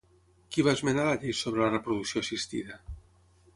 Qui va esmenar la llei sobre la reproducció assistida?